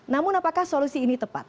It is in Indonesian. namun apakah solusi ini tepat